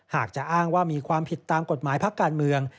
หากจะอ้างว่ามีความผิดตามกฎหมายพักการเมือง